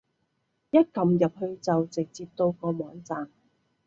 一撳入去就直接到個網站